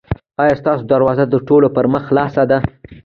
ایا ستاسو دروازه د ټولو پر مخ خلاصه ده؟